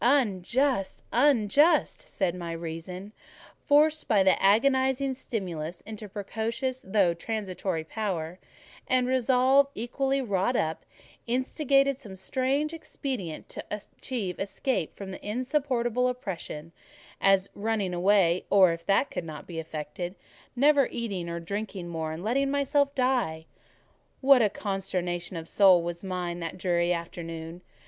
"Unjust!—unjust!" said my reason, forced by the agonising stimulus into precocious though transitory power: and Resolve, equally wrought up, instigated some strange expedient to achieve escape from insupportable oppression—as running away, or, if that could not be effected, never eating or drinking more, and letting myself die. What a consternation of soul was mine that dreary afternoon!